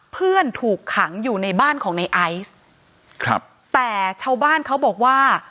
เพื่อนถูกขังอยู่ในบ้านของในไอซ์ครับแต่ชาวบ้านเขาบอกว่า